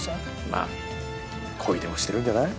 まあ恋でもしてるんじゃない？